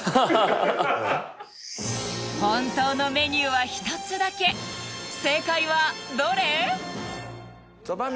本当のメニューは１つだけ正解はどれ？